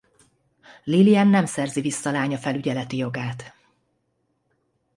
Lillian nem szerzi vissza lánya felügyeleti jogát.